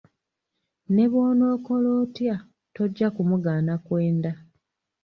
Ne bw’onookola otya tojja kumugaana kwenda.